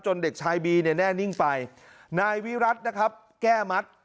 เด็กชายบีเนี่ยแน่นิ่งไปนายวิรัตินะครับแก้มัด